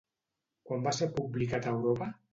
Quan va ser publicat a Europa?